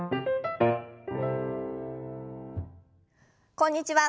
こんにちは。